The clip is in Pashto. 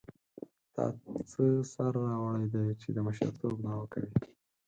تا څه سر راوړی دی چې د مشرتوب دعوه کوې.